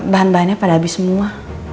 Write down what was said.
bahan bahannya pada habis semua